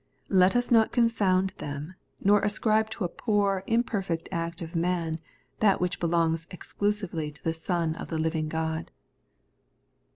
Let us not confound them, nor ascribe to a poor, imperfect act of man, that which belongs exclusively to the Son of the living God.